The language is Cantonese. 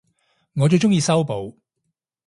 我最鍾意修補